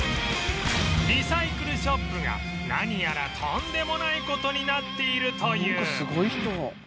リサイクルショップが何やらとんでもない事になっているという